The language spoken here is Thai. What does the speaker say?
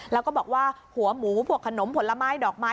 แล้วก็บอกว่าหัวหมูพวกขนมผลไม้ดอกไม้